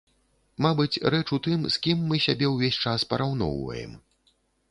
Мабыць, рэч у тым, з кім мы сябе ўвесь час параўноўваем.